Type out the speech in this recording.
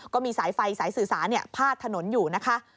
ก็มีสายไฟสายสื่อสารพาดถนนอยู่นะคะ